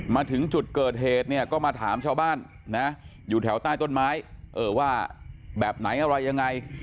มาถึงจุดเกิดเหตุเนี่ยก็มาถามชาวบ้านนะอยู่แถวใต้ต้นไม้ว่าแบบไหนอะไรยังไง